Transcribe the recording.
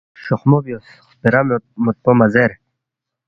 شوخمو بیوس، خپیرا موتپو مہ زیر